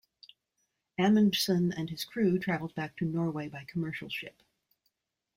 Amundsen and his crew traveled back to Norway by commercial ship.